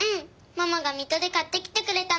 ママが水戸で買ってきてくれたの。